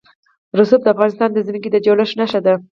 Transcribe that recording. رسوب د افغانستان د ځمکې د جوړښت نښه ده.